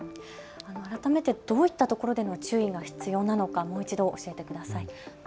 改めてどういったところでの注意が必要かもう一度教えてください。